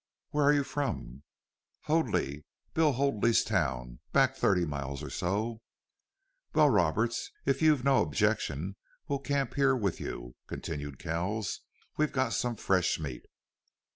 "Where are you from?" "Hoadley. Bill Hoadley's town, back thirty miles or so." "Well, Roberts, if you've no objection we'll camp here with you," continued Kells. "We've got some fresh meat."